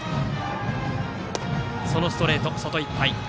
そのストレート、外いっぱい。